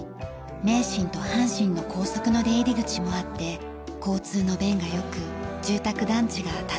名神と阪神の高速の出入り口もあって交通の便が良く住宅団地が多数あります。